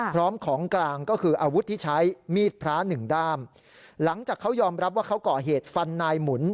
พร้อมของกลางก็คืออาวุธที่ใช้มีดพระหนึ่งด้ามหลังจากเขายอมรับว่าเขาก่อเหตุฟันนายหมุน